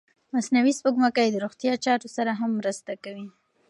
مصنوعي سپوږمکۍ د روغتیا چارو سره هم مرسته کوي.